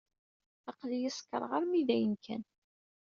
Aql-iyi sekṛeɣ armi d ayen kan.